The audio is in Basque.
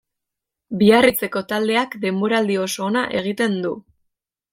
Biarritzeko taldeak denboraldi oso ona egiten du.